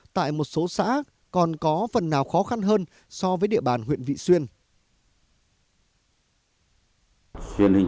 tại một số xã còn có phần nào khó khăn hơn so với địa bàn huyện vị xuyên